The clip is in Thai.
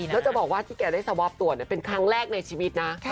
แล้วจะบอกว่าที่แกได้สวอปตัวเป็นครั้งแรกในชีวิตนะ